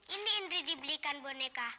ini indri dibelikan boneka